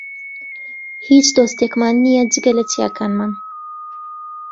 هیچ دۆستێکمان نییە، جگە لە چیاکانمان.